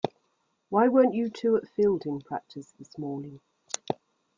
Why weren't you two at fielding practice this morning?